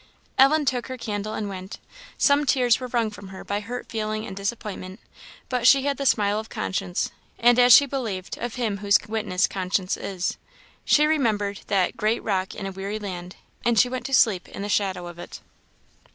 Ellen took her candle and went. Some tears were wrung from her by hurt feeling and disappointment; but she had the smile of conscience, and, as she believed, of Him whose witness conscience is. She remembered that "great rock in a weary land," and she went to sleep in the shadow of it.